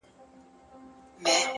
لوړ همت د خنډونو تر شا ګوري؛